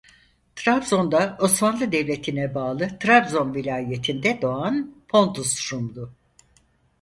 Trabzon'da Osmanlı Devletine bağlı Trabzon Vilayetinde doğan Pontus Rumdu.